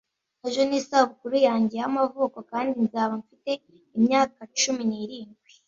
Ejo ni isabukuru yanjye y'amavuko kandi nzaba mfite imyaka cumi n'irindwi